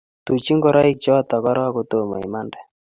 Tuch ngoroik choto korook kotomo imande